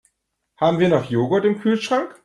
Haben wir noch Joghurt im Kühlschrank?